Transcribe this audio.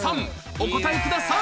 お答えください